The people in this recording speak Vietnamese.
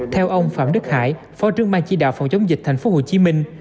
theo ông phạm đức hải phó trương ban chí đạo phòng chống dịch thành phố hồ chí minh